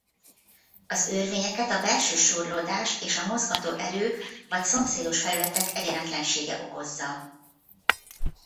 Az örvényeket a belső súrlódás és a mozgató erő vagy szomszédos felületek egyenetlensége okozza.